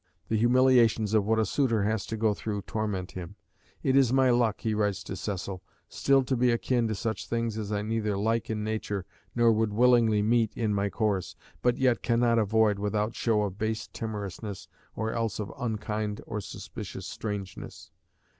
The humiliations of what a suitor has to go through torment him: "It is my luck," he writes to Cecil, "still to be akin to such things as I neither like in nature nor would willingly meet with in my course, but yet cannot avoid without show of base timorousness or else of unkind or suspicious strangeness."